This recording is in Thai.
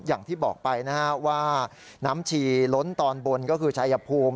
อย่างที่บอกไปนะฮะว่าน้ำชีล้นตอนบนก็คือชายภูมิ